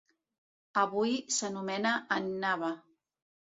Avui s'anomena Annaba.